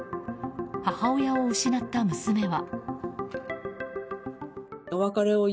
母親を失った娘は。